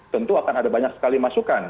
tentu akan ada banyak sekali masukan